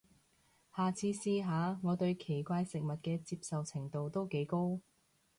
下次試下，我對奇怪食物嘅接受程度都幾高